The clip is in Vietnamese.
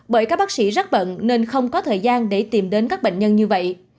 bởi các bác sĩ rất bận nên không có thời gian để tìm đến các bệnh nhân như vậy